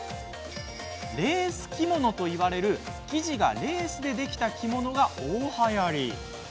レース着物といわれる生地がレースでできた着物が大はやり。